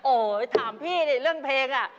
โอ๊ยถามพี่เรื่องเพลง